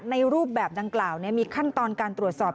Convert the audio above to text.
รูปแบบดังกล่าวมีขั้นตอนการตรวจสอบ